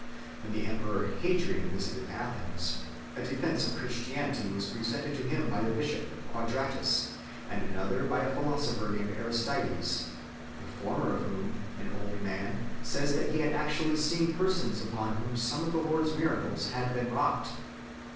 When the emperor Hadrian visited Athens, a defence of Christianity was presented to him by the bishop, Quadratus, and another by a philosopher named Aristides, the former of whom, an old man, says that he had actually seen persons upon whom some of the Lord s miracles had been wrought 3